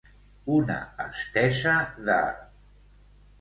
Una estesa de.